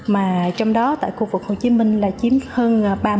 mà trong đó tại khu vực hồ chí minh là chiếm hơn ba mươi